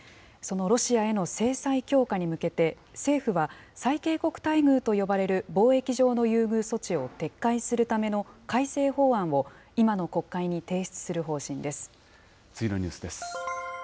そのロシアへの制裁強化に向けて、政府は、最恵国待遇と呼ばれる貿易上の優遇措置を撤回するための改正法案次のニュースです。